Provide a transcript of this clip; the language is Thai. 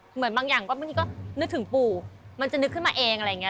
เหมือนบางอย่างก็บางทีก็นึกถึงปู่มันจะนึกขึ้นมาเองอะไรอย่างนี้